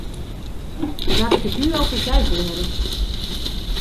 Laat ik het nu over zuivel hebben.